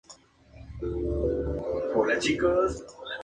Como historiador se encuadró en la escuela revisionista.